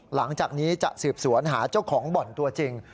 หลังจากนี้จะสืบสวนหาเจ้าของบ่อนตัวจริง